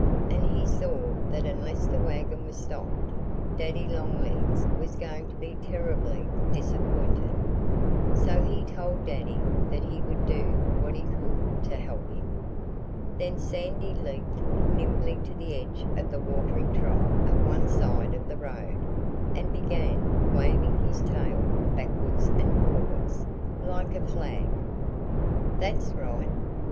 And he saw that unless the wagon was stopped, Daddy Longlegs was going to be terribly disappointed. So he told Daddy that he would do what he could to help him. Then Sandy leaped nimbly to the edge of the watering trough at one side of the road and began waving his tail backwards and forwards, like a flag. "That's right!"